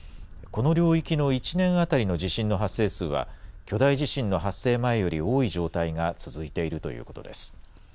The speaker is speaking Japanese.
この領域の１年当たりの地震の発生数は、巨大地震の発生前より多い状態が続いているということです。